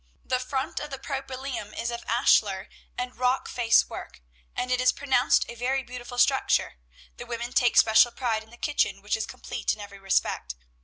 The front of the Propylæum is of ashlar and rock face work, and it is pronounced a very beautiful structure. The women take special pride in the kitchen, which is complete in every respect.